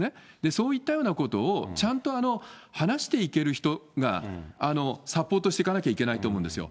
そういったようなことを、ちゃんと話していける人がサポートしてかなきゃいけないと思うんですよ。